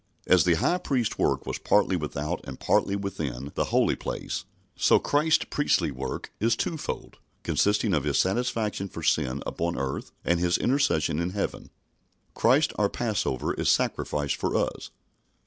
As the high priest's work was partly without and partly within the Holy Place, so Christ's priestly work is twofold, consisting of His satisfaction for sin upon earth and His intercession in heaven. "Christ our Passover is sacrificed for us."